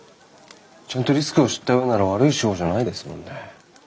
ちゃんとリスクを知った上でなら悪い手法じゃないですもんね。